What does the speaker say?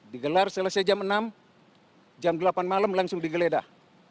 digelar selesai jam enam jam delapan malam langsung digeledah